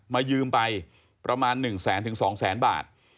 มายืมไปประมาณหนึ่งแสนถึงสองแสนบาท